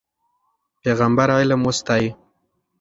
پیغمبر علم وستایه.